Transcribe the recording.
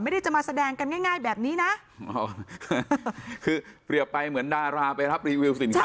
จะมาแสดงกันง่ายแบบนี้นะคือเปรียบไปเหมือนดาราไปรับรีวิวสินค้า